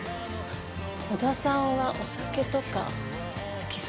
織田さんはお酒とか好きそう。